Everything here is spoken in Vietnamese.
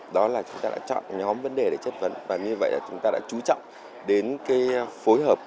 đó là chúng ta đã chọn nhóm vấn đề để chất vấn và như vậy là chúng ta đã trú trọng đến cái phối hợp